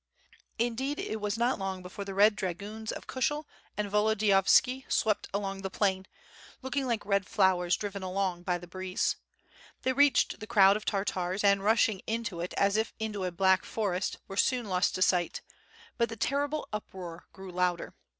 Indeed it was not long before the red dragoons of Kushel and Volodiyovski swept along the plain, looking like red flowers driven along by the breeze. They reached the crowd of Tartars and rushing into it as if into a black forest, were WITU FIRE ASD SWORD. 695 soon lost to sight; but the terrible uproar grew louder.